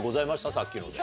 さっきので。